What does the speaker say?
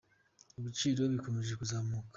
Ibiciro bikomeje kuzamuka